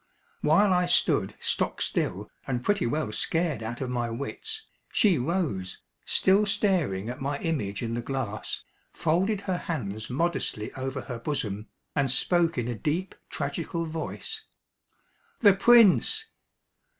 While I stood stock still and pretty well scared out of my wits, she rose, still staring at my image in the glass, folded her hands modestly over her bosom, and spoke in a deep tragical voice "The Prince!"